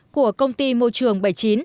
của công ty môi trường bảy mươi chín